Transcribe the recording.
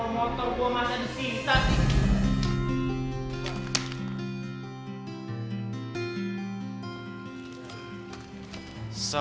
motor gue masih ada sisa